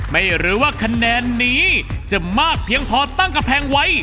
ไม่รู้ว่าคะแนนนี้จะมากเพียงพอตั้งกำแพงไว้